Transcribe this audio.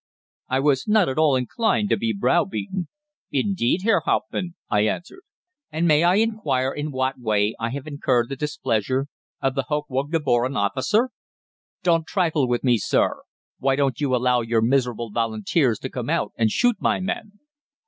"I was not at all inclined to be browbeated. "'Indeed, Herr Hauptman?' I answered. 'And may I inquire in what way I have incurred the displeasure of the Hochwohlgeboren officer?' "'Don't trifle with me, sir. Why do you allow your miserable Volunteers to come out and shoot my men?'